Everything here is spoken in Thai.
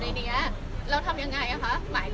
เงี้ยเดี๋ยวถ้าที่นัครต้วยการตรงดนตรฐวยการเอาหนักข่าวเสร็จแล้ว